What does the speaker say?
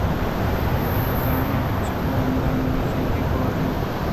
بِہ زاں کُچّک ہمداآہانی نَزّیکءُ گوٛرءَ اِنت